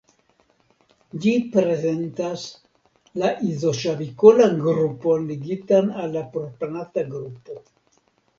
Ĝi prezentas la izoŝavikolan grupon ligitan al la propanata grupo.